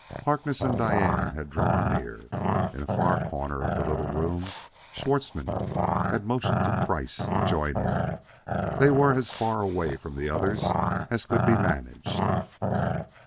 Harkness and Diane had drawn near. In a far corner of the little room Schwartzmann had motioned to Kreiss to join him; they were as far away from the others as could be managed.